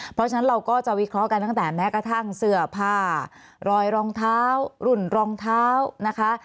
เพราะฉะนั้นเราก็จะวิเคราะห์กันตั้งแต่แม้กระทั่งเสื้อผ้ารอยรองเท้ารุ่นรองเท้านะคะ